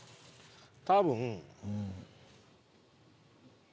多分。